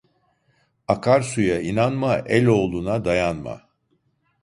Akarsuya inanma, eloğluna dayanma.